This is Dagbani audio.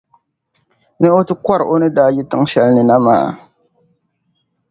ni o ti kɔr’ o ni daa yi tiŋgban’ shɛli ni na maa.